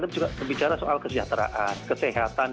tapi juga bicara soal kesejahteraan kesehatan